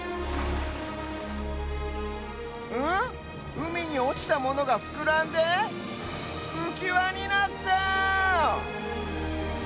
うみにおちたものがふくらんでうきわになった！